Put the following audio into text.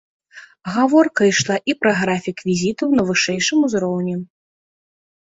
Гаворка ішла і пра графік візітаў на вышэйшым узроўні.